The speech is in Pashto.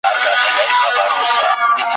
زلمي بېریږي له محتسبه !.